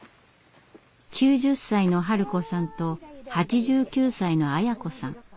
９０歳のハル子さんと８９歳のアヤ子さん。